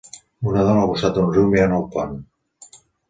Una dona al costat d'un riu mirant el pont.